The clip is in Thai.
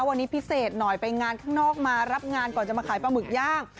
วันนี้พิเศษหน่อยไปงานข้างนอกมารับงานก่อนจะมาขายปลาหมึกย่าง